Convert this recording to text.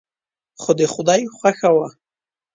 خو د خدای خوښه وه.